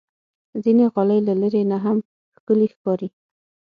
ځینې غالۍ له لرې نه هم ښکلي ښکاري.